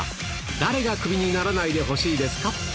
誰がクビにならないでほしいです